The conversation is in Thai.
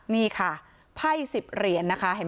นี่ค่ะไพ่๑๐เหรียญนะคะ